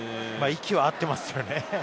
息は合っていますよね。